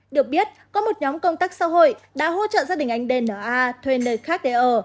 được biết có một nhóm công tác xã hội đã hỗ trợ gia đình anh dna thuê nơi khác để ở